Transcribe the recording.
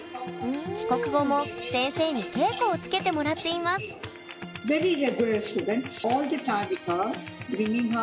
帰国後も先生に稽古をつけてもらっていますアハハ！